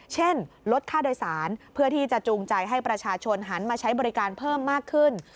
ลดค่าโดยสารเพื่อที่จะจูงใจให้ประชาชนหันมาใช้บริการเพิ่มมากขึ้น